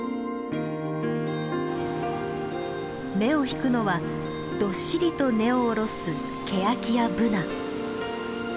目を引くのはどっしりと根を下ろすケヤキやブナ。